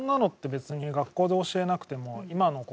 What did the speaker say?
別に学校で教えなくても今の子